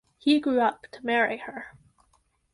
He grew up to marry her.